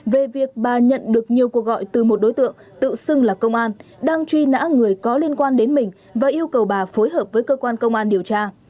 về việc bà nhận được nhiều cuộc gọi từ một đối tượng tự xưng là công an đang truy nã người có liên quan đến mình và yêu cầu bà phối hợp với cơ quan công an điều tra